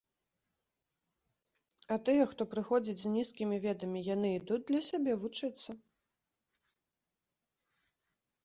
А тыя, хто прыходзіць з нізкімі ведамі, яны ідуць для сябе вучыцца?